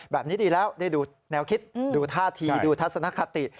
แบบนี้ดีแล้วได้ดูแนวคิดดูท่าทีดูทัศนคติ